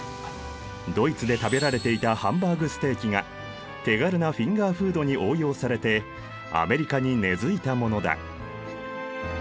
ドイツで食べられていたハンバーグ・ステーキが手軽なフィンガーフードに応用されてアメリカに根づいたものだ。